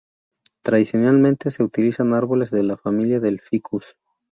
Tradicionalmente, se utilizan árboles de la familia del ficus.